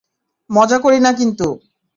মজা করি না কিন্তু!